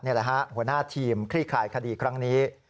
นี่แหละฮะหัวหน้าทีมคลี่คลายคดีครั้งนี้